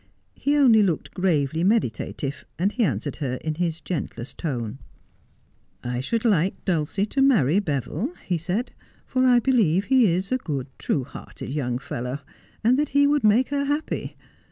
He only looked gravely meditative, and he answered her in his gentlest tone. ' I should like Dulcie to marry Beville,' he said, ' for I be lieve he is a good, true hearted young fellow, and that he would make her happy.